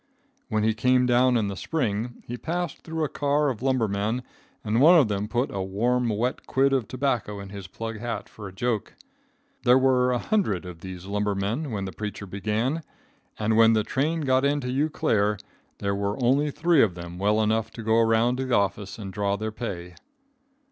When he came down in the spring, he passed through a car of lumbermen and one of them put a warm, wet quid of tobacco in his plug hat for a joke. There were a hundred of these lumbermen when the preacher began, and when the train got into Eau Claire there were only three of them well enough to go around to the office and draw their pay.